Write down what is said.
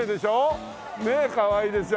はい。ねえかわいいでしょ？